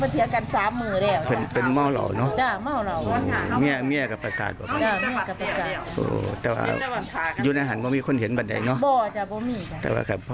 ที่กินยาลงบ้านครับ